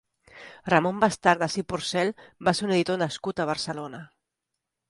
Ramon Bastardes i Porcel va ser un editor nascut a Barcelona.